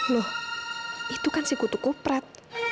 loh itu kan si kutu kopret